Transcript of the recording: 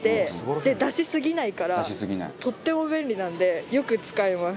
で出しすぎないからとっても便利なのでよく使います。